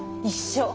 一緒。